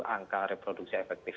angka reproduksi efektif